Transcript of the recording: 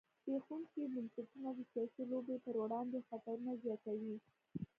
زبېښونکي بنسټونه د سیاسي لوبې پر وړاندې خطرونه زیاتوي.